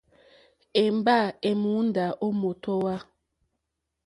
Èmgbâ èmùndá ó mǒtówà.